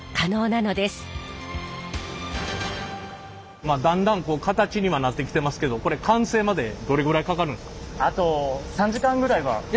まあだんだんこう形にはなってきてますけどこれ完成までどれぐらいかかるんですか？